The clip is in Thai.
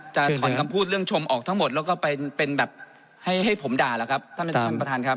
จะถอนคำพูดเรื่องชมออกทั้งหมดแล้วก็เป็นแบบให้ผมด่าหรอครับ